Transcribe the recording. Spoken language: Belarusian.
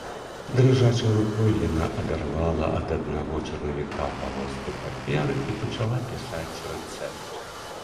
Дрыжачай рукой яна адарвала ад аднаго чарнавіка палоску паперы і пачала пісаць рэцэпт.